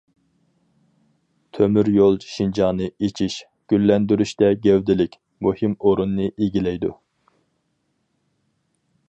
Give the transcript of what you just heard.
تۆمۈريول شىنجاڭنى ئېچىش، گۈللەندۈرۈشتە گەۋدىلىك، مۇھىم ئورۇننى ئىگىلەيدۇ.